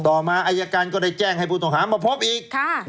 ต่อมาอายการก็ได้แจ้งให้ผู้ต้องหามาพบอีก